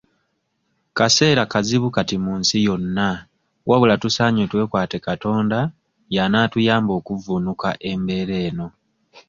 Kaseera kazibu kati mu nsi yonna wabula tusaanye twekwate Katonda y'anaatuyamba okuvvuunuka embeera eno.